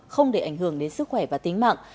không để ảnh hưởng đến sức khỏe và tính mạng